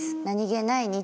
何げない